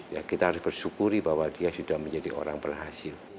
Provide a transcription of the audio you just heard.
ya kita harus bersyukuri bahwa dia sudah menjadi orang berhasil